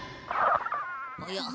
おや？